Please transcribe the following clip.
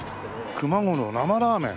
「熊五郎生ラーメン」